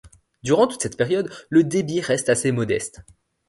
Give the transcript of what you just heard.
Durant toute cette période, le débit reste assez modeste.